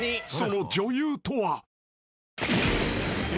［その女優とは］